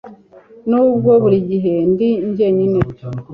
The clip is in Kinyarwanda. nubwo burigihe ndi jyenyine